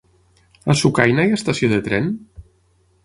A Sucaina hi ha estació de tren?